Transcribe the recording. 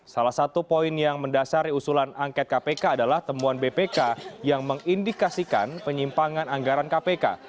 salah satu poin yang mendasari usulan angket kpk adalah temuan bpk yang mengindikasikan penyimpangan anggaran kpk